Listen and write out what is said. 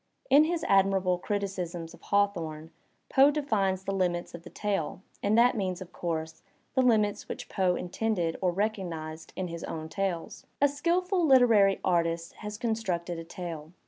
In his admirable criticism of Hawthorne, Poe defines the limits of the tale, and that means, of course, the limits which Poe intended or recognized in his own tales: "A skilful literary artist has constructed a tale.